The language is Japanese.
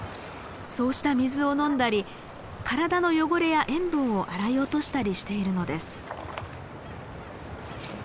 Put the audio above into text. そうした水を飲んだり体の汚れや塩分を洗い落としたりしているのです。